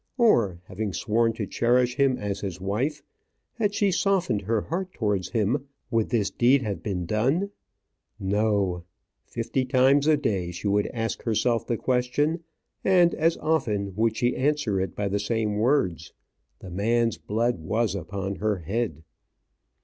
Or, having sworn to cherish him as his wife, had she softened her heart towards him, would this deed have been done? No; fifty times a day she would ask herself the question; and as often would she answer it by the same words. The man's blood was upon her head.